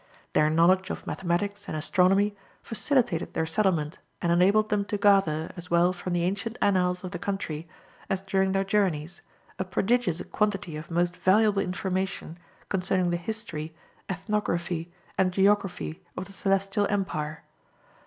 Their knowledge of mathematics and astronomy facilitated their settlement and enabled them to gather, as well from the ancient annals of the country, as during their journies, a prodigious quantity of most valuable information concerning the history, ethnography, and geography of the Celestial Empire.